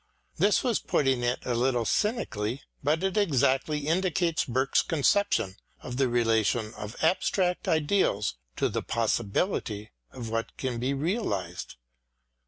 This was putting it a little cynically, but it exactly indicates Burke's conception of the relation of abstract ideals to the possibility of what can be realised.